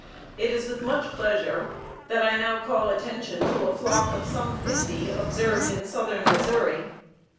It is with much pleasure that I now call attention to a flock of some fifty, observed in southern Missouri.